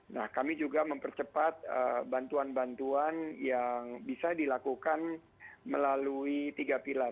nah kami juga mempercepat bantuan bantuan yang bisa dilakukan melalui tiga pilar